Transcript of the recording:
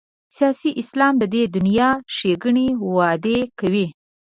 سیاسي اسلام د دې دنیا ښېګڼې وعدې کوي.